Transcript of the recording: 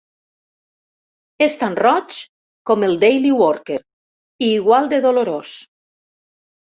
És tan roig com el "Daily Worker" i igual de dolorós.